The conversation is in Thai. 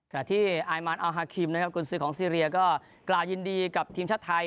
ขณะที่อายมานอัลฮาคิมนะครับกุญสือของซีเรียก็กล่าวยินดีกับทีมชาติไทย